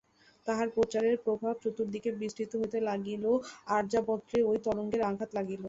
তাঁহার প্রচারের প্রভাব চতুর্দিকে বিস্তৃত হইতে লাগিল, আর্যাবর্তে ঐ তরঙ্গের আঘাত লাগিল।